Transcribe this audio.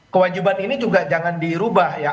kewajiban ini juga jangan dirubah ya